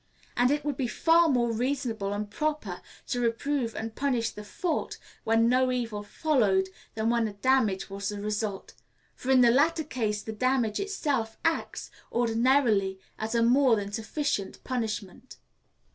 And it would be far more reasonable and proper to reprove and punish the fault when no evil followed than when a damage was the result; for in the latter case the damage itself acts, ordinarily, as a more than sufficient punishment.